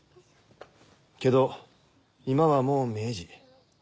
けど今はもう明治。